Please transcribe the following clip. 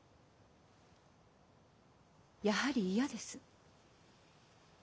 やはり嫌です。